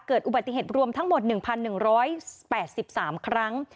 เกิดอุบัติเหตุรวมทั้งหมด๑๑๘๓ครั้ง